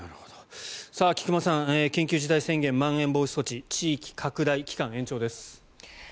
菊間さん、緊急事態宣言まん延防止措置地域拡大、期間延長です。